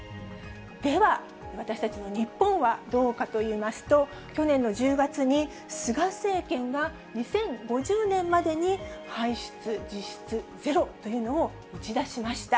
では、私たちの日本はどうかといいますと、去年の１０月に菅政権が、２０５０年までに排出実質ゼロというのを打ち出しました。